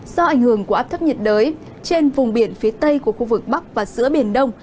do ảnh hưởng của áp thấp nhiệt đới trên vùng biển phía tây của khu vực bắc và giữa biển đông